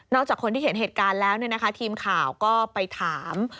นอกจากคนที่เห็นเหตุการณ์แล้วเนี่ยนะคะทีมข่าวก็ไปถาม